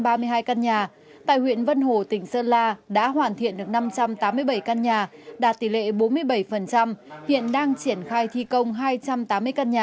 tại huyện vân hồ tỉnh sơn la đã hoàn thiện được năm trăm tám mươi bảy căn nhà đạt tỷ lệ bốn mươi bảy hiện đang triển khai thi công hai trăm tám mươi căn nhà